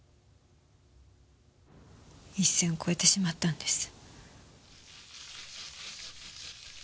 一線を越えてしまったんです。